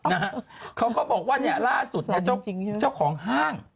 นะฮะเขาก็บอกว่าล่าสุดเจ้าของห้าง